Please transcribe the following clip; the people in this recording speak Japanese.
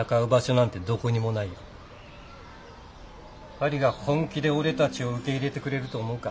パリが本気で俺たちを受け入れてくれると思うか？